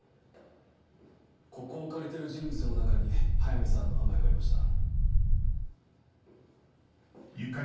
ここを借りてる人物の中に速水さんの名前がありました。